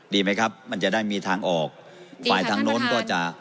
ดีไหมครับมันจะได้มีทางออกฝ่ายทางโน้นก็จะ